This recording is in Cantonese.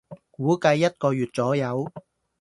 估計一個月左右